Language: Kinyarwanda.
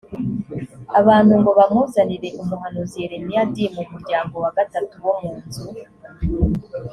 abantu ngo bamuzanire umuhanuzi yeremiya d mu muryango wa gatatu wo mu nzu